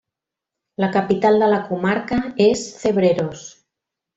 La capital de la comarca és Cebreros.